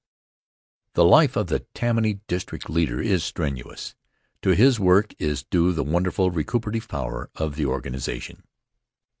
THE life of the Tammany district leader is strenuous. To his work is due the wonderful recuperative power of the organization.